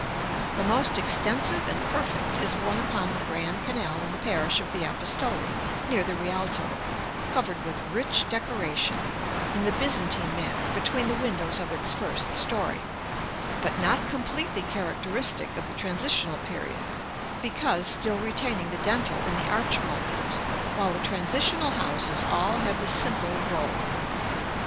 The most extensive and perfect is one upon the Grand Canal in the parish of the Apostoli, near the Rialto, covered with rich decoration, in the Byzantine manner, between the windows of its first story; but not completely characteristic of the transitional period, because still retaining the dentil in the arch mouldings, while the transitional houses all have the simple roll.